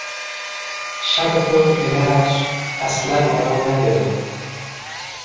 شب فوت پدرش اصلا آرام نگرفت.